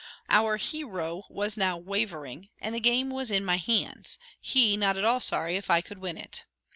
Our hero was now wavering, and the game was in my hands, he not at all sorry if I could win it.